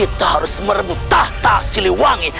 kita harus merebut tahta siliwangi